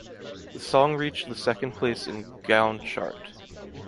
The song reached the second place in Gaon Chart.